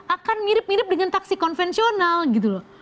akan mirip mirip dengan taksi konvensional gitu loh